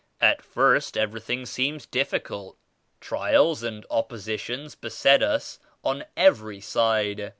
At first everything seems difficult. Trials and oppositions beset us on every side.